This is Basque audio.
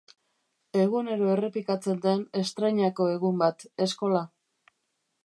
Egunero errepikatzen den estreinako egun bat, eskola.